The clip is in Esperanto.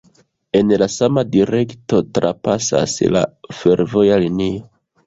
En la sama direkto trapasas la fervoja linio.